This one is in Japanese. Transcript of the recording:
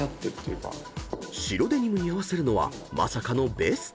［白デニムに合わせるのはまさかのベスト］